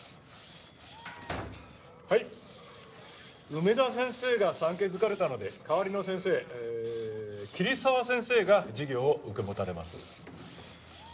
梅田先生が産気づかれたので代わりの先生えー桐沢先生が授業を受け持たれます。